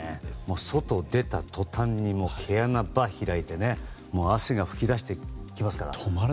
外に出たとたんに毛穴がばっと開いて汗が噴き出してきますから。